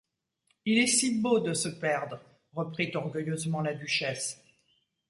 Il est si beau de se perdre !… reprit orgueilleusement la duchesse.